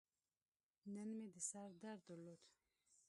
نن مې د سر درد درلود.